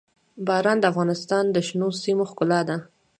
باران د افغانستان د شنو سیمو ښکلا ده.